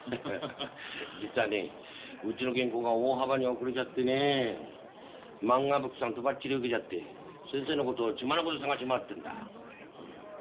実はねうちの原稿が大幅に遅れちゃってねえ「まんがブック」さんとばっちり受けちゃって先生のことを血眼で捜し回ってんだ。